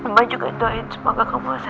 mbak juga doain semoga kamu bisa